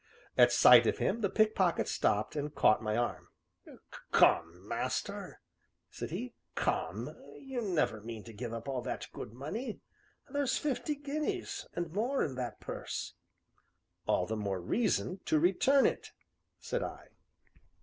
At sight of him the pickpocket stopped and caught my arm. "Come, master," said he, "come, you never mean to give up all that good money there's fifty guineas, and more, in that purse!" "All the more reason to return it," said I.